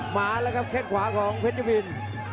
มาแล้วครับแค่งขวาของเพชรวิน